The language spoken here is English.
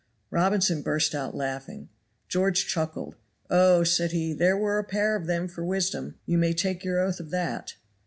Robinson burst out laughing. George chuckled. "Oh!" said he, "there were a pair of them for wisdom, you may take your oath of that.